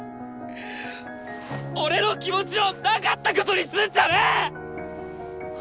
俺の気持ちをなかったことにすんじゃねえ！